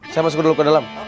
saya masuk dulu ke dalam